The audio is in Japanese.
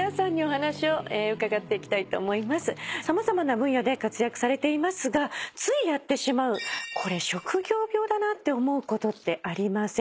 様々な分野で活躍されていますがついやってしまうこれ職業病だなって思うことってありませんか？